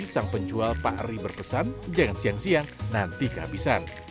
sang penjual pak ari berpesan jangan siang siang nanti kehabisan